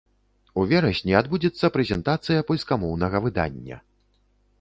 У верасні адбудзецца прэзентацыя польскамоўнага выдання.